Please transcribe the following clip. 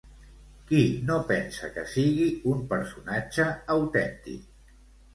Qui no pensa que sigui un personatge autèntic?